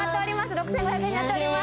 ６５００円になっております